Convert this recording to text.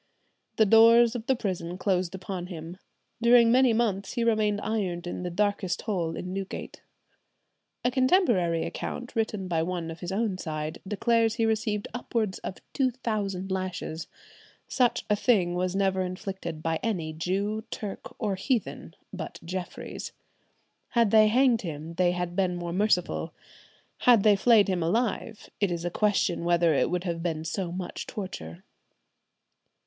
"The doors of the prison closed upon him. During many months he remained ironed in the darkest hole in Newgate." A contemporary account written by one of his own side declares he received "upwards of two thousand lashes—such a thing was never inflicted by any Jew, Turk, or heathen but Jeffries. ... Had they hanged him they had been more merciful; had they flayed him alive it is a question whether it would have been so much torture."